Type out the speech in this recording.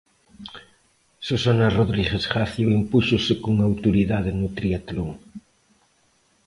Susana Rodríguez Gacio impúxose con autoridade no tríatlon.